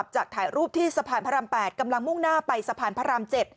ถ่ายรูปที่สะพานพระราม๘กำลังมุ่งหน้าไปสะพานพระราม๗